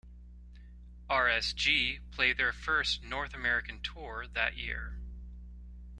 RsG played their first North American tour that year.